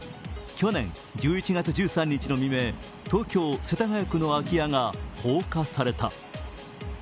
去年１１月１３日の未明、東京世田谷区の空き家が放火された。